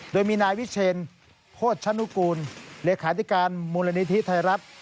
โดยมีนายวิเชนโภชนุกูลเลขาธิการมูลนิธิไทยรัฐ